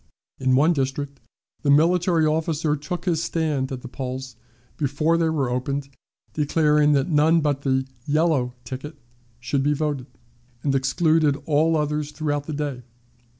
In one district the military officer took his stand at the polls before they were opened, declaring that none but the 'yellow ticket should be voted,' and excluded all others throughout the day.